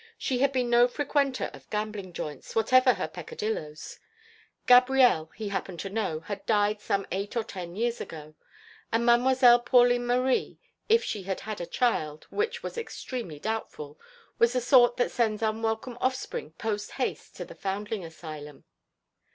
She had been no frequenter of "gambling joints" whatever her peccadilloes; Gabrielle, he happened to know, had died some eight or ten years ago, and Mademoiselle Pauline Marie, if she had had a child, which was extremely doubtful, was the sort that sends unwelcome offspring post haste to the foundling asylum.